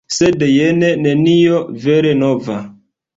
Sed jen nenio vere nova.